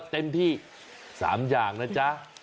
เต็มที่๓อย่างนะจ๊ะ